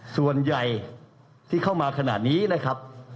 ส่วนใหญ่ที่เข้ามาขนาดนี้นะครับ